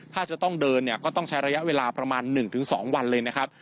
ถ้าจะต้องเดินเนี่ยก็ต้องใช้ระยะเวลาประมาณ๑๒วันเลยนะครับ